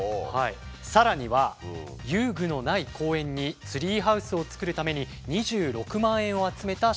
さらには遊具のない公園にツリーハウスを造るために２６万円を集めた小学生。